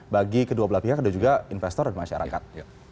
bagi kedua belah pihak dan juga investor dan masyarakat